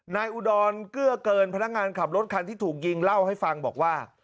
อุดรเกื้อเกินพนักงานขับรถคันที่ถูกยิงเล่าให้ฟังบอกว่า